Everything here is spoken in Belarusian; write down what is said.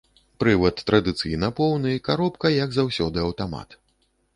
Прывад традыцыйна поўны, каробка, як заўсёды, аўтамат.